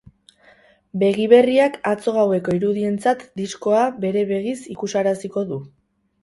Begi berriak atzo gaueko irudientzat diskoa bere begiz ikusaraziko du.